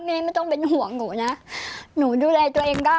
ไม่ต้องเป็นห่วงหนูนะหนูดูแลตัวเองได้